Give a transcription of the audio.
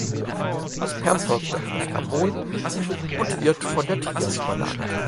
Das Perm folgt auf das Karbon und wird von der Trias überlagert.